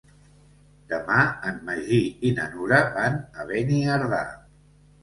Demà en Magí i na Nura van a Beniardà.